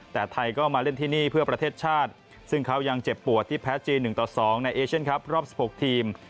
แต่ไทยก็มาเล่นที่นี่เพื่อประเทศชาติซึ่งเขายังเจ็บปวดที่แพ้จีน๑ต่อ๒ในเอเชียนครับรอบ๑๖ทีม